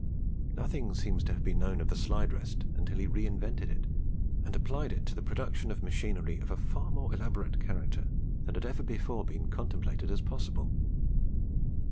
Nothing seems to have been known of the slide rest until he re invented it and applied it to the production of machinery of a far more elaborate character than had ever before been contemplated as possible.